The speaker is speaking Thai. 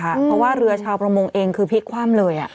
เพราะว่าเรือชาวประมงเองคือพลิกคว่ำเลย